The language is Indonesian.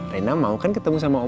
reina mau kan ketemu sama oma